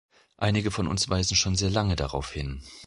Einige von uns weisen schon sehr lange darauf hin.